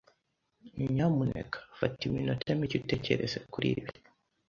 Nyamuneka fata iminota mike utekereza kuri ibi.